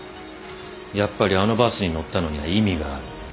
やっぱりあのバスに乗ったのには意味がある